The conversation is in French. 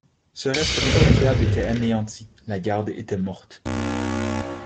Ce reste formidable était anéanti, la garde était morte.